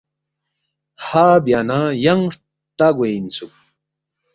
ہا بیا نہ ینگ ہرتا گوے اِنسُوک